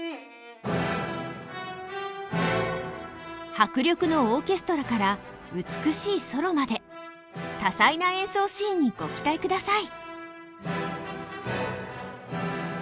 迫力のオーケストラから美しいソロまで多彩な演奏シーンにご期待ください。